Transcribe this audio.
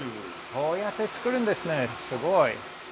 こうやって作るんですねすごい。